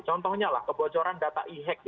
contohnya lah kebocoran data e hack